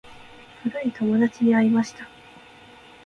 古い友達に会いました。